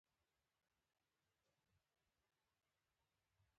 مینه د هر مخلوق د فطرت برخه ده.